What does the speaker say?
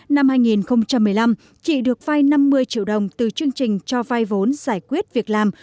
năm hai nghìn một mươi năm chị được vay năm mươi triệu đồng từ chương trình cho vai vốn giải quyết việc làm